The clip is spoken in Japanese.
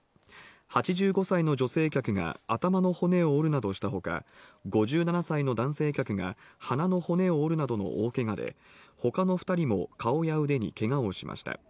８５歳の女性客が頭の骨を折るなどしたほか、５７歳の男性客が鼻の骨を折るなどの大けがで、ほかの２人も顔や腕にけがをしました。